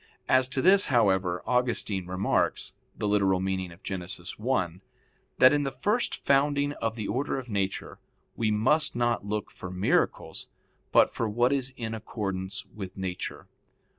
As to this, however, Augustine remarks (Gen. ad lit. i) that in the first founding of the order of nature we must not look for miracles, but for what is in accordance with nature.